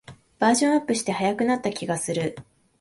バージョンアップして速くなった気がする